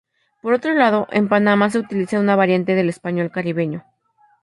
Por otro lado, en Panamá se utiliza una variante del español caribeño.